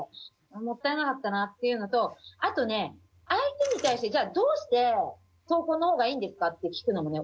もったいなかったなっていうのとあとね相手に対してじゃあどうして早婚の方がいいんですかって聞くのもね